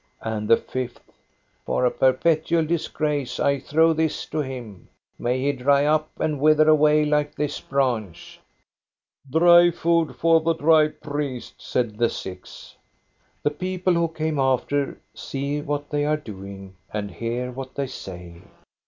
And the fifth :" For a perpetual disgrace I throw this to him. May he dry up and wither away like this branch !"" Dry food to the dry priest," said the sixth. The people who came after see what they are do ing and hear what they say.